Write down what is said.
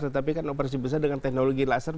tetapi kan operasi besar dengan teknologi laser